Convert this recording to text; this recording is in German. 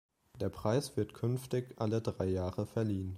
Der Preis wird künftig alle drei Jahre verliehen.